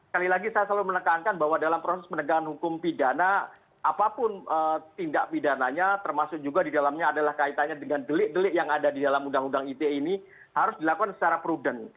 kali lagi saya selalu menekankan bahwa dalam proses penegakan hukum pidana apapun tindak pidananya termasuk juga di dalamnya adalah kaitannya dengan delik delik yang ada di dalam undang undang ite ini harus dilakukan secara prudent